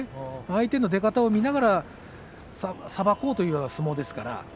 相手の出方を見ながらさばこうというような相撲です。